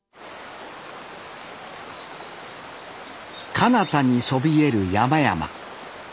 かなたにそびえる山々。